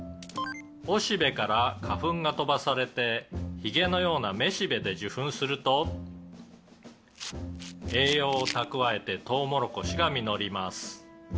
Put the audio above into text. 「おしべから花粉が飛ばされてヒゲのようなめしべで受粉すると栄養を蓄えてとうもろこしが実ります」